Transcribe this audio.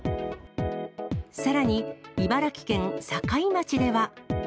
さらに、茨城県境町では。